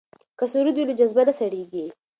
که سرود وي نو جذبه نه سړیږي.